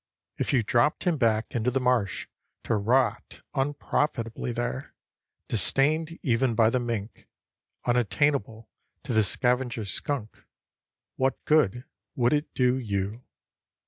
If you dropped him back into the marsh to rot unprofitably there, disdained even by the mink, unattainable to the scavenger skunk, what good would it do you?